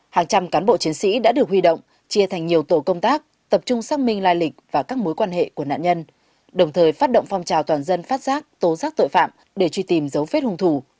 hàng trăm cán bộ chiến sĩ đã được huy động chia thành nhiều tổ công tác tập trung xác minh lai lịch và các mối quan hệ của nạn nhân đồng thời phát động phong trào toàn dân phát giác tố giác tội phạm để truy tìm dấu vết hung thủ